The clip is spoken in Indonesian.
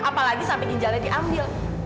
apalagi sampai ginjalnya diambil